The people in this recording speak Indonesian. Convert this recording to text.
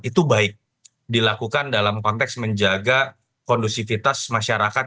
itu baik dilakukan dalam konteks menjaga kondusivitas masyarakat